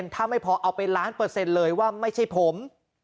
ถ้าไม่พอเอาไปล้านเปอร์เซ็นต์เลยว่าไม่ใช่ผม